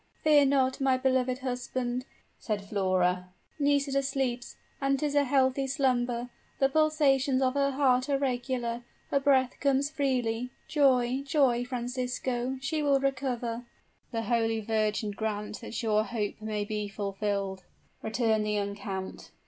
"Fear not, my beloved husband," said Flora; "Nisida sleeps, and 'tis a healthy slumber. The pulsations of her heart are regular; her breath comes freely. Joy, joy, Francisco, she will recover!" "The Holy Virgin grant that your hope may be fulfilled!" returned the young count.